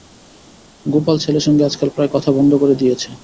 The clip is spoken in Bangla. গোপাল ছেলের সঙ্গে আজকাল প্রায় কথা বন্ধ করিয়া দিয়াছে।